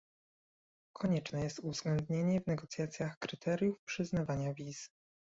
Konieczne jest uwzględnienie w negocjacjach kryteriów przyznawania wiz